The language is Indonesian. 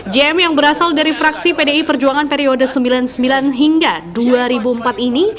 jm yang berasal dari fraksi pdi perjuangan periode sembilan puluh sembilan hingga dua ribu empat ini